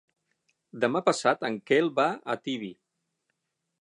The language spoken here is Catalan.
Demà passat en Quel va a Tibi.